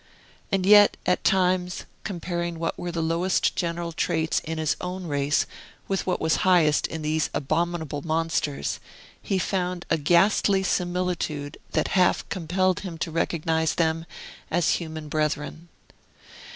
And yet, at times, comparing what were the lowest general traits in his own race with what was highest in these abominable monsters, he found a ghastly similitude that half compelled him to recognize them as human brethren.